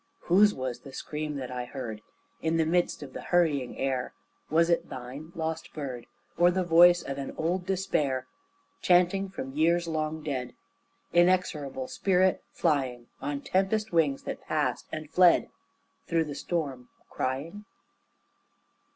Whose was the scream that I heard In the midst of the hurrying air? Was it thine, lost bird, Or the voice of an old despair Chanting from years long dead, Inexorable spirit flying On tempest wings that passed and fled Through the storm crying?